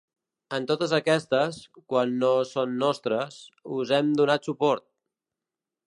En totes aquestes, quan no són nostres, us hem donat suport.